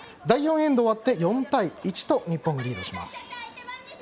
第４エンド終わって４対１と日本がリードします。